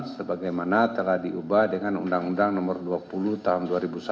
sebagaimana telah diubah dengan undang undang nomor dua puluh tahun dua ribu satu